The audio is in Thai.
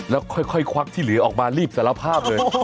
แล้วค่อยควักที่เหลือออกมารีบสารภาพเลย